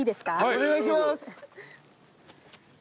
お願いします。